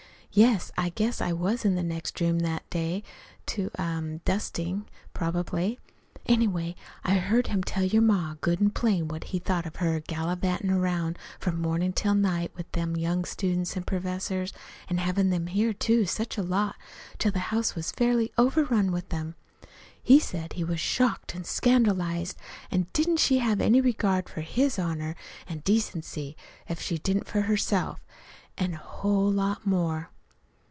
"Yes, I guess I was in the next room that day, too er dustin', probably. Anyway, I heard him tell your ma good an' plain what he thought of her gallivantin' 'round from mornin' till night with them young students an' professors, an' havin' them here, too, such a lot, till the house was fairly overrun with them. He said he was shocked an' scandalized, an' didn't she have any regard for his honor an' decency, if she didn't for herself! An', oh, a whole lot more.